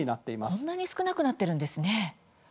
こんなに少なくなっているんですね。